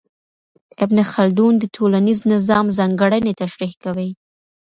ابن خلدون د ټولنیز نظام ځانګړنې تشریح کوي.